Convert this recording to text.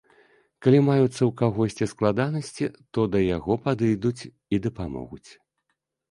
Калі маюцца ў кагосьці складанасці, то да яго падыдуць і дапамогуць.